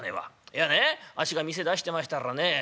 「いやねあっしが店出してましたらね